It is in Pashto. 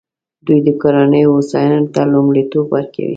دوی د کورنیو هوساینې ته لومړیتوب ورکوي.